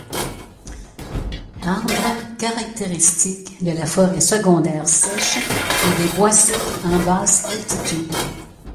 Arbre caractéristique de la forêt secondaire sèche et des bois secs en basse altitude.